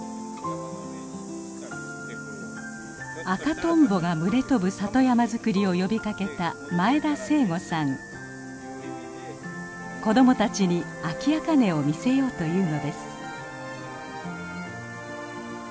赤とんぼが群れ飛ぶ里山づくりを呼びかけた子供たちにアキアカネを見せようというのです。